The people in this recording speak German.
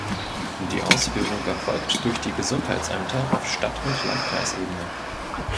Die Ausführung erfolgt durch die Gesundheitsämter auf Stadt- und Landkreisebene.